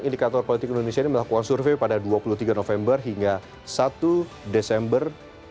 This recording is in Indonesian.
indikator politik indonesia ini melakukan survei pada dua puluh tiga november hingga satu desember dua ribu dua puluh